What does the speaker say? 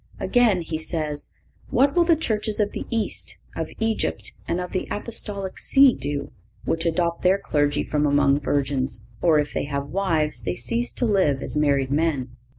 (524) Again he says: "What will the churches of the East, of Egypt and of the Apostolic See do, which adopt their clergy from among virgins, or if they have wives, they cease to live as married men."